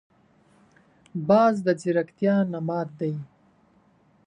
باز د ځیرکتیا نماد دی